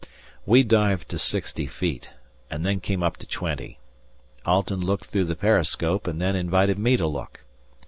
We dived to sixty feet, and then came up to twenty. Alten looked through the periscope, and then invited me to look.